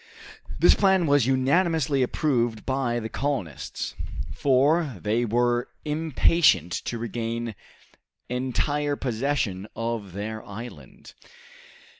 This plan was unanimously approved by the colonists, for they were impatient to regain entire possession of their island.